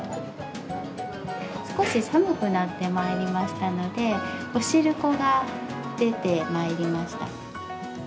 少し寒くなってまいりましたので、お汁粉が出てまいりました。